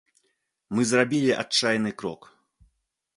Мы зрабілі адчайны крок.